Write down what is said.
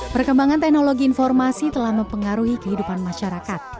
perkembangan teknologi informasi telah mempengaruhi kehidupan masyarakat